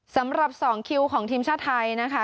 สำหรับ๒คิวของทีมชาติไทยนะคะ